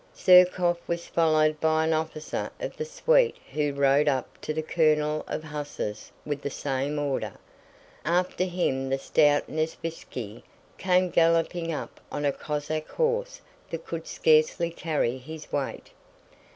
'" Zherkóv was followed by an officer of the suite who rode up to the colonel of hussars with the same order. After him the stout Nesvítski came galloping up on a Cossack horse that could scarcely carry his weight.